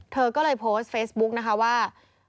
เธอก็เลยโพสต์เฟซบุ๊กนะคะว่า